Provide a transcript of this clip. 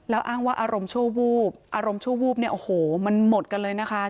แล้วอ้างว่าอารมณ์ชั่ววูบอารมณ์ชั่ววูบเนี่ยโอ้โหมันหมดกันเลยนะคะ